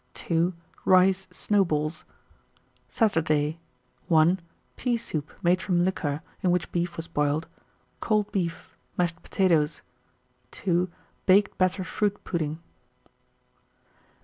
2. Rice snowballs. 1908. Saturday. 1. Pea soup made from liquor in which beef was boiled; cold beef, mashed potatoes. 2. Baked batter fruit pudding.